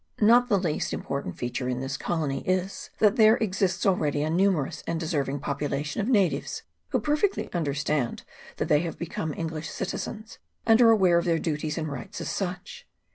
Not the least important feature in this colony is, that there exists already a numerous and deserving population of natives, who perfectly understand that they have become English citizens, and are aware of their duties and rights as such.